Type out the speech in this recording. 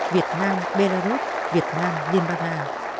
việt nam belarus việt nam liên bang nga